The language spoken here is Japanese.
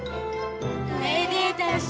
めでたし！